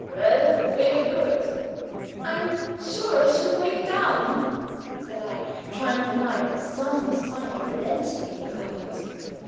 "Well, will you do it?" "I am sure I should break down," said I, trying to find some sign of relenting in his eyes.